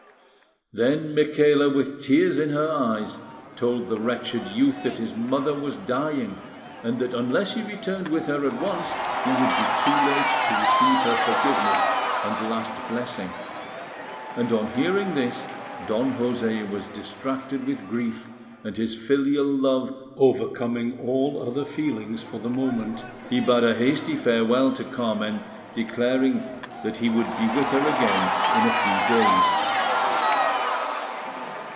Then Micaela, with tears in her eyes, told the wretched youth that his mother was dying, and that unless he returned with her at once he would be too late to receive her forgiveness and last blessing; and, on hearing this, Don José was distracted with grief, and his filial love overcoming all other feelings for the moment, he bade a hasty farewell to Carmen, declaring that he would be with her again in a few days.